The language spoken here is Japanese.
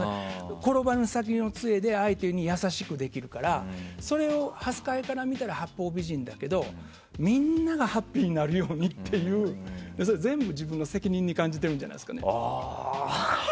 転ばぬの先の杖で相手に優しくできるからそれを発想を変えたら八方美人だけどみんながハッピーになるようにっていう全部自分の責任に感じているんじゃないですかね。